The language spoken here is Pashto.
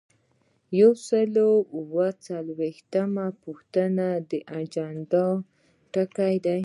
یو سل او اووه څلویښتمه پوښتنه د اجنډا ټکي دي.